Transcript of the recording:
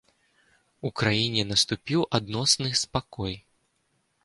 У краіне наступіў адносны спакой.